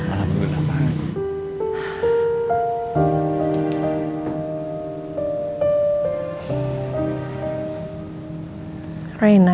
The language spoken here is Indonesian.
alhamdulillah ya pak